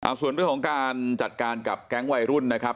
ส่วนเรื่องของการจัดการกับแก๊งวัยรุ่นนะครับ